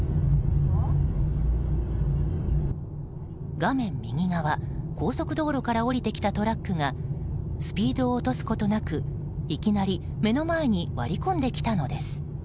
画面右側、高速道路から降りてきたトラックがスピードを落とすことなくいきなり目の前に割り込んできたのです。